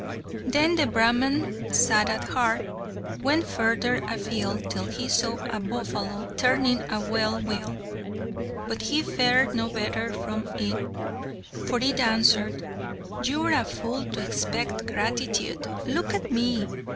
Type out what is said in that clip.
Then the Brahman, sad at heart, went further afield till he saw a buffalo turning a well wheel; but he fared no better from it, for it answered, "You are a fool to expect gratitude! Look at me!